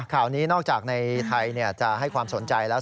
ข่าวนี้นอกจากในไทยจะให้ความสนใจแล้ว